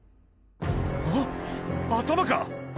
・あっ頭か！？